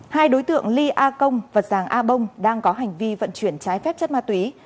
hai đối tượng ly a công và giàng a bông đang có hành vi vận chuyển trái phép chất ma túy